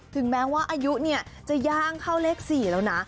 ถึงแม้ว่าอายุเนี่ยจะย่างเข้าเลข๔แล้วนะ